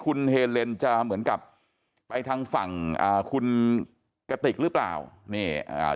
คุณเฮเลนจะเหมือนกับไปทางฝั่งอ่าคุณกติกหรือเปล่านี่อ่า